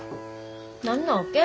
何なわけ？